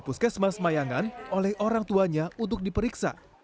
bayu dibawa ke puskesmas mayangan oleh orang tuanya untuk diperiksa